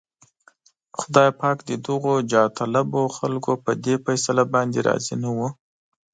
خدای پاک د دغو جاهطلبو خلکو په دې فيصله باندې راضي نه و.